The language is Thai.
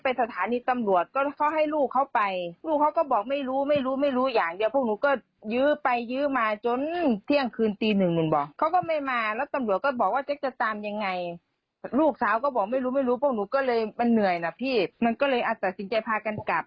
พวกหนูไม่รู้พวกหนูก็เลยมันเหนื่อยนะพี่มันก็เลยอัดตัดสินใจพากันกลับ